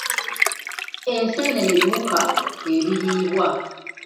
Enseenene biwuka ebiriibwa.